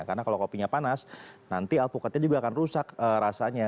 karena kalau kopinya panas nanti alpukatnya juga akan rusak rasanya